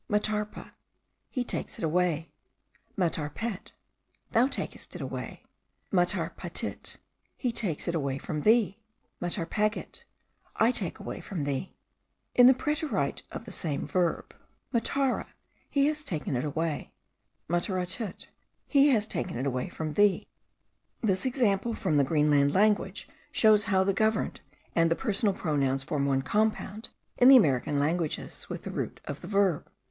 Matarpa, he takes it away: mattarpet, thou takest it away: mattarpatit, he takes it away from thee: mattarpagit, I take away from thee. And in the preterite of the same verb, mattara, he has taken it away: mattaratit, he has taken it away from thee. This example from the Greenland language shows how the governed and the personal pronouns form one compound, in the American languages, with the root of the verb.